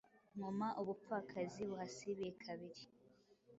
Nkoma ubupfakazi buhasibiye kabiri.